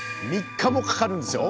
３日もかかるんですよ